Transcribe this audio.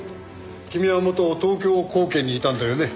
君は元東京高検にいたんだよね？